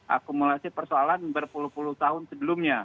akumulasi persoalan berpuluh puluh tahun sebelumnya